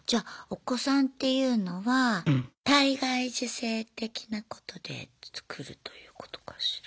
お子さんっていうのは体外受精的なことでつくるということかしら。